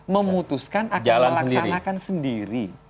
memutuskan akan melaksanakan sendiri